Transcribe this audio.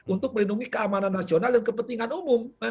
untuk melindungi keamanan nasional dan kepentingan umum